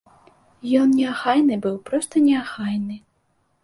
Ён неахайны быў, проста неахайны.